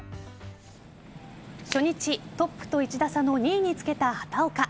初日、トップと１打差の２位につけた畑岡。